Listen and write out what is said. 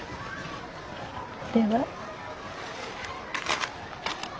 では。